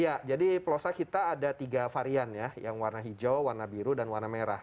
ya jadi plosa kita ada tiga varian ya yang warna hijau warna biru dan warna merah